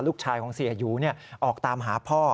ลูกชายของเสียหยูออกตามหาพ่อ